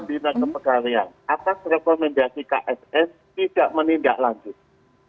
kalau pejabat pembinaan kepegawaian atas rekomendasi kss tidak menindak lanjuti